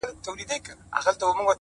اوس له كندهاره روانـېـــږمه’